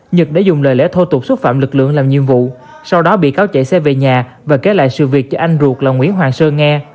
nhật đã dùng lời lẽ thô tục xúc phạm lực lượng làm nhiệm vụ sau đó bị cáo chạy xe về nhà và kể lại sự việc cho anh ruột là nguyễn hoàng sơn nghe